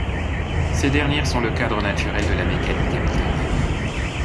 Ces dernières sont le cadre naturel de la mécanique hamiltonienne.